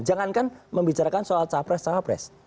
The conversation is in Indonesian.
jangankan membicarakan soal capres cawapres